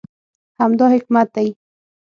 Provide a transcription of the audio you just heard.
همدا حکمت دی.